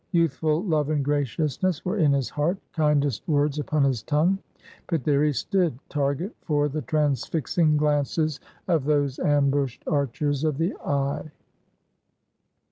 Youthful love and graciousness were in his heart; kindest words upon his tongue; but there he stood, target for the transfixing glances of those ambushed archers of the eye.